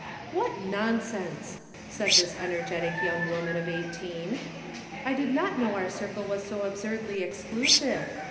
"What nonsense," said this energetic young ^ woman of eighteen. " I did not know our circle was so absurdly exclusive.